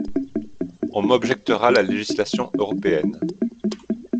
On m’objectera la législation européenne.